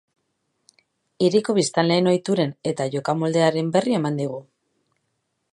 Hiriko biztanleen ohituren eta jokamoldearen berri eman digu.